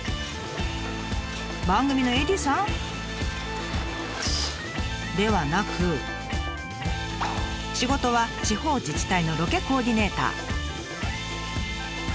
番組のＡＤさん？ではなく仕事は地方自治体のロケコーディネーター。